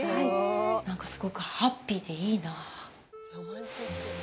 なんか、すごくハッピーでいいなあ。